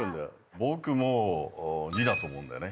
僕も２だと思うんだよね